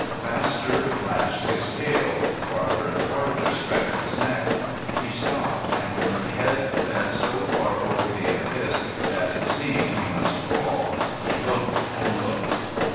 Faster lashed his tail; farther and farther stretched his neck. He stopped, and with head bent so far over the abyss that it seemed he must fall, he looked and looked.